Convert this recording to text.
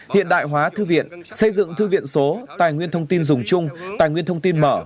hiện đại hóa thư viện xây dựng thư viện số tài nguyên thông tin dùng chung tài nguyên thông tin mở